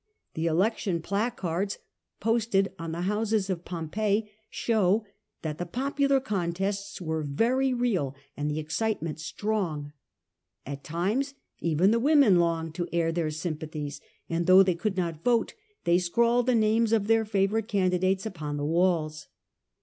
The election placards posted on the houses of Pompeii show that the popular contests were very real and the excitement strong. At times even the women longed to air their sympathies ; and though they could not vote they scrawled the names of their favourite candidates upon the walls.